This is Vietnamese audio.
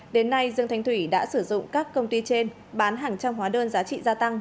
đến nay dương thanh thủy đã sử dụng các công ty trên bán hàng trăm hóa đơn giá trị gia tăng